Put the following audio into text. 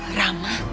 aku akan menang